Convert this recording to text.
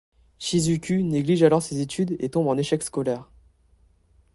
Shizuku néglige alors ses études et tombe en échec scolaire.